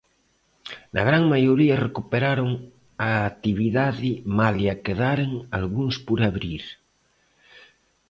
Na gran maioría recuperaron a actividade malia quedaren algúns por abrir.